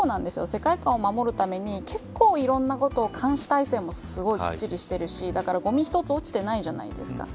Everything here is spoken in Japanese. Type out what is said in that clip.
世界感を守るために結構いろんなことを監視体制もきっちりしてるしだからごみ一つ落ちてないじゃないですか。